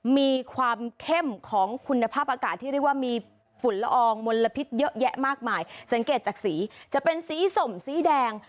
มีความเข้มของคุณภาพอากาศที่เรียกว่ามีฝุ่นละอองมลพิษเยอะแยะมากมายสังเกตจากสีจะเป็นสีสมสีแดง